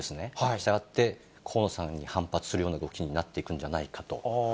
したがって、河野さんに反発するような動きになっていくんじゃないかと。